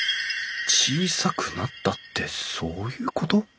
小さくなったってそういうこと？